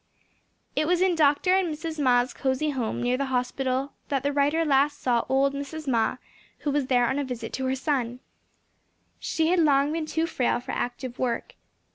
It was in Dr. and Mrs. Ma's cosy home near the hospital that the writer last saw old Mrs. Ma who was there on a visit to her son. She had long been too frail for active work.